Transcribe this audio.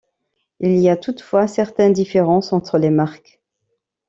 Il y a, toutefois, certaines différences entre les marques.